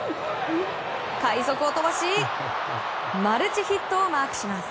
快足を飛ばしマルチヒットをマークします。